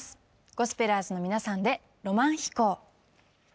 ゴスペラーズの皆さんで「浪漫飛行」。